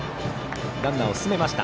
ランナーを進めました。